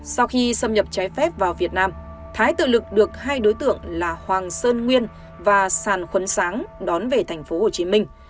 sau khi xâm nhập trái phép vào việt nam thái tự lực được hai đối tượng là hoàng sơn nguyên và sàn khuấn sáng đón về thành phố hồ chí minh